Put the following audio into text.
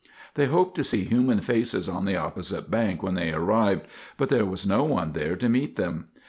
They hoped to see human faces on the opposite bank when they arrived; but there was no one there to meet them.